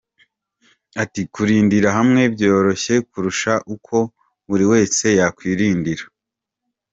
Ati “Kurindira hamwe byoroshye kurusha uko buri wese yakwirindira.